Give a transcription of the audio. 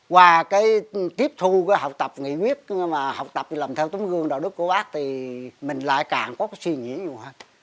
và cái tiếp thu cái học tập nghị quyết học tập làm theo tấm gương đạo đức của bác thì mình lại càng có cái suy nghĩ nhiều hơn